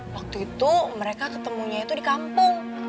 waktu itu mereka ketemunya itu di kampung